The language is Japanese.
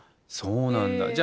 そうなんだ。